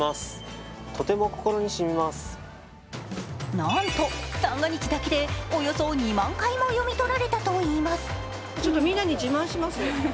なんと三が日だけでおよそ２万回も読み取られたといいます。